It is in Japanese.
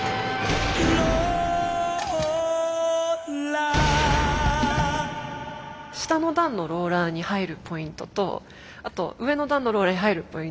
「ローラ」下の段のローラーに入るポイントとあと上の段のローラーに入るポイント。